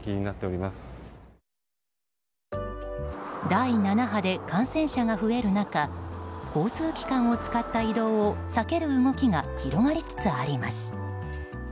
第７波で感染者が増える中交通機関を使った移動を避ける動きが広がりつつあります。